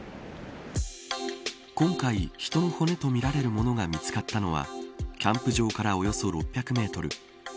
今回、人の骨とみられるものが見つかったのはキャンプ場からおよそ６００メートル。